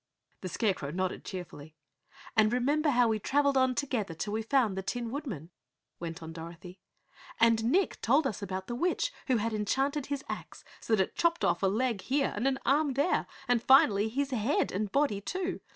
The Scarecrow nodded cheerfully. "And remember how we travelled on together till we found the Tin Woodman?" went on Dorothy. "And Nick told us about the witch who had enchanted his axe so that it chopped off a leg here, and an arm there, and finally his head and body, too.